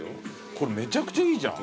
これめちゃくちゃいいじゃん。